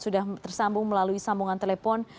sudah tersambung melalui sambungan telepon